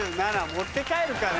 持って帰るかね。